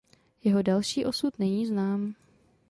Jeho další osud není znám.